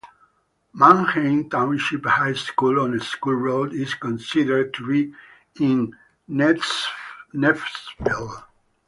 Manheim Township High School, on School Road is considered to be in Neffsville.